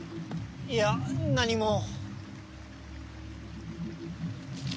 いや何も。